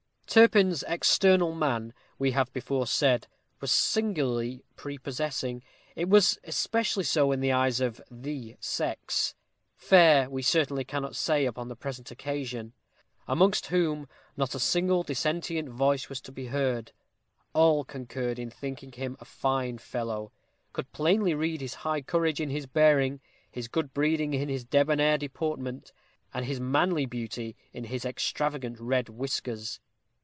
Turpin's external man, we have before said, was singularly prepossessing. It was especially so in the eyes of the sex fair we certainly cannot say upon the present occasion , amongst whom not a single dissentient voice was to be heard. All concurred in thinking him a fine fellow; could plainly read his high courage in his bearing; his good breeding in his débonnaire deportment; and his manly beauty in his extravagant red whiskers.